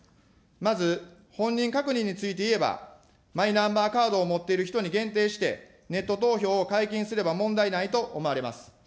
まず、本人確認についていえば、マイナンバーカードを持っている人に限定して、ネット投票を解禁すれば問題ないと思われます。